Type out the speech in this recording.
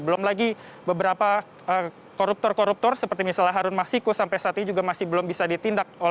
belum lagi beberapa koruptor koruptor seperti misalnya harun masiku sampai saat ini juga masih belum bisa ditindak